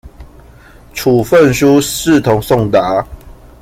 處分書視同送達